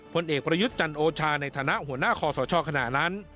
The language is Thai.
ผลเอกประยุทธ์จันโอชาในฐานะหัวหน้าคอสชขณะนั้น